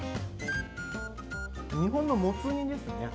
日本のもつ煮ですね。